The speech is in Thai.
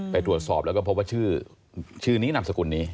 ไปตรวจสอบแล้วก็พบว่าชื่อนี้นามสกุลนี้